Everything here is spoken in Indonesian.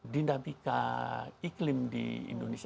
dindabika iklim di indonesia